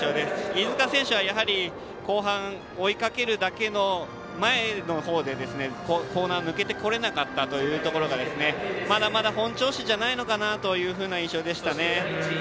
飯塚選手は、やはり後半、追いかけるだけの前のほうでコーナー抜けてこれなかったというところがまだまだ、本調子じゃないのかなという印象でしたね。